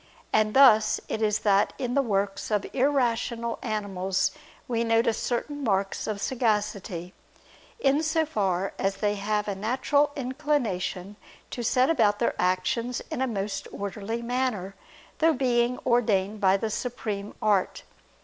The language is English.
And thus it is that in the works of irrational animals we notice certain marks of sagacity, in so far as they have a natural inclination to set about their actions in a most orderly manner through being ordained by the Supreme art.